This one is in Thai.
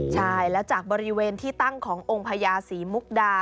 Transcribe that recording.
ใช่แล้วจากบริเวณที่ตั้งขององค์พญาศรีมุกดา